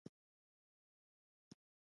د لپټاپ بیټرۍ عمر د کارولو سره کمېږي.